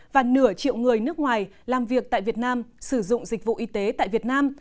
và nửa triệu người nước ngoài làm việc tại việt nam sử dụng dịch vụ y tế tại việt nam